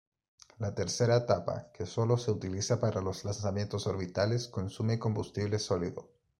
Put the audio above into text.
La tercera etapa, que sólo se utiliza para los lanzamientos orbitales, consume combustible sólido.